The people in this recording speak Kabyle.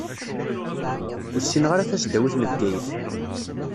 Ur ssineɣ ara tasdawit n Bgayet.